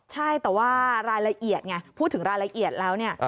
ใช่แต่ว่ารายละเอียดไงพูดถึงรายละเอียดแล้วเนี่ย